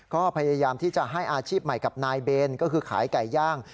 ก็พยายามที่จะให้อาชีพใหม่กับนายเบนก็คือขายไก่ย่าง